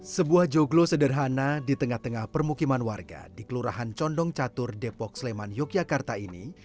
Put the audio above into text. sebuah joglo sederhana di tengah tengah permukiman warga di kelurahan condong catur depok sleman yogyakarta ini